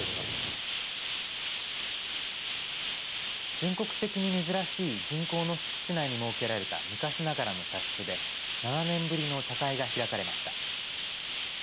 全国的に珍しい銀行の敷地内に設けられた昔ながらの茶室で７年ぶりの茶会が開かれました。